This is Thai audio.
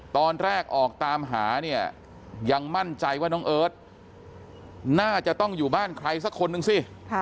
ตอนแรกออกตามหาเนี่ยยังมั่นใจว่าน้องเอิร์ทน่าจะต้องอยู่บ้านใครสักคนนึงสิ